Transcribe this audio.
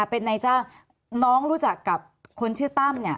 เป็นนายจ้างน้องรู้จักกับคนชื่อตั้ม